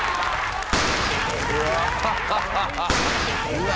うわ！？